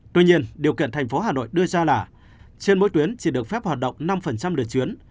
tuy nhiên điều kiện thành phố hà nội đưa ra là trên mỗi tuyến chỉ được phép hoạt động năm lượt chuyến